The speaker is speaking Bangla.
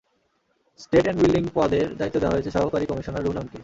স্টেট অ্যান্ড বিল্ডিং পদের দায়িত্ব দেওয়া হয়েছে সহকারী কমিশনার রুহুল আমিনকে।